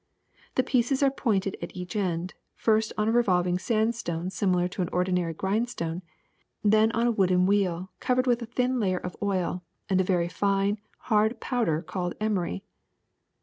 The pieces are pointed at each end, first on a revolving sandstone similar to an ordinary grindstone, then on a wooden wheel covered with a thin layer of oil and a very fine, hard powder called emery.